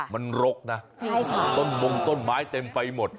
มันรกนะต้นมงต้นไม้เต็มไปหมด